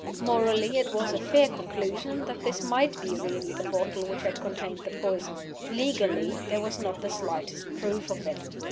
Morally, it was a fair conclusion that this might be really the bottle which had contained the poison. Legally, there was not the slightest proof of it.